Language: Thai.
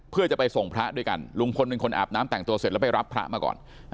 เพื่อจะไปส่งพระด้วยกันลุงพลเป็นคนอาบน้ำแต่งตัวเสร็จแล้วไปรับพระมาก่อน